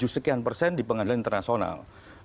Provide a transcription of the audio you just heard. tiga puluh tujuh sekian persen di pengadilan internasional